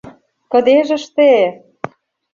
Кыдежыште!